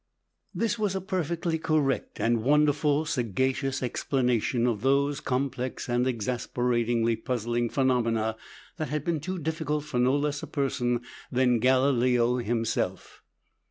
This was a perfectly correct and wonderfully sagacious explanation of those complex and exasperatingly puzzling phenomena that had been too difficult for no less a person than Galileo himself.